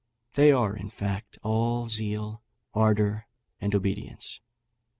They are, in fact, all zeal, ardour, and obedience.